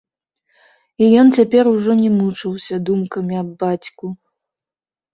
І ён цяпер ужо не мучыўся думкамі аб бацьку.